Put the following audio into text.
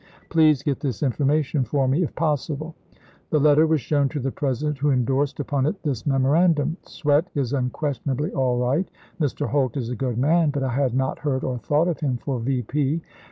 .. Please get this information for me, if possible." The letter Hay? ayMs. was shown to the President, who indorsed upon it this memorandum :" Swett is unquestionably all right. Mr. Holt is a good man, but I had not Lincoln, heard or thought of him for V.